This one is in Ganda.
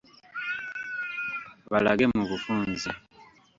Balage mu bufunze.